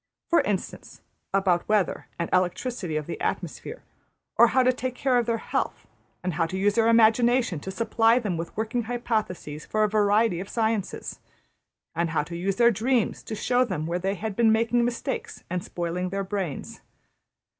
For instance, about weather and the electricity of the atmosphere, and how to take care of their health, and how to use their imagination to supply them with working hypotheses for a variety of sciences, and how to use their dreams to show them where they had been making mistakes and spoiling their brains.